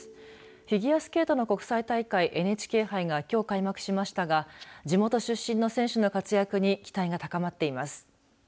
フィギュアスケートの国際大会ＮＨＫ杯がきょう開幕しましたが地元出身の選手の活躍に期待が高まっています。